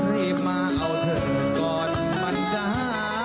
ให้มาเอาเธอก่อนมันจะหาย